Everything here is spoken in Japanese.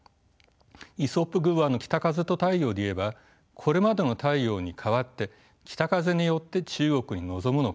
イソップ寓話の「北風と太陽」で言えばこれまでの太陽に代わって北風によって中国に臨むのか。